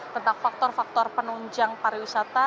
tentang faktor faktor penunjang pariwisata